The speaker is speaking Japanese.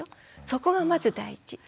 そこがまず第一。